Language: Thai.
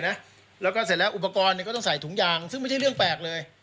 แล้วก็เสร็จแล้วอุปกรณ์เนี่ยก็ต้องใส่ถุงยางซึ่งไม่ใช่เรื่องแปลกเลย